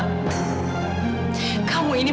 apa yang kamu inginkan